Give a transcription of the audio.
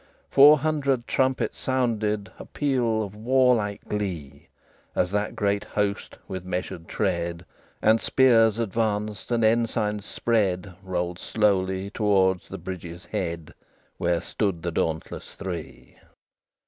Four hundred trumpets sounded A peal of warlike glee, As that great host, with measured tread, And spears advanced, and ensigns spread, Rolled slowly towards the bridge's head, Where stood the dauntless Three.